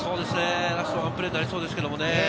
ラストワンプレーになりそうですけどね。